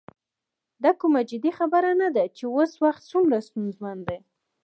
دا کومه جدي خبره نه ده چې اوس وخت څومره ستونزمن دی.